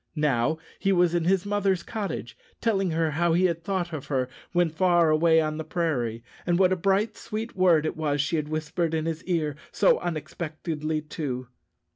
Now he was in his mother's cottage, telling her how he had thought of her when far away on the prairie, and what a bright, sweet word it was she had whispered in his ear so unexpectedly, too.